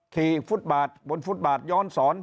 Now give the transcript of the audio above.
ฟุตบาทบนฟุตบาทย้อนสอน